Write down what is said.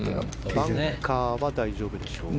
バンカーは大丈夫でしょうか。